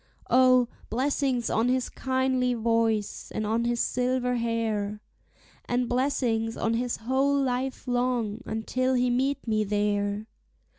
O, blessings on his kindly voice, and on his silver hair, And blessings on his whole life long, until he meet me there!